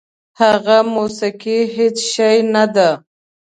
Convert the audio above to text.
هغه موسیقي هېڅ شی نه ده.